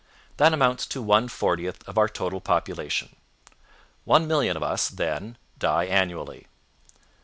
That amounts to one fortieth of our total population. One million of us, then, die annually.